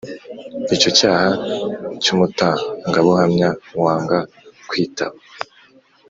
Icyo cyaha cy umutangabuhamya wanga kwitaba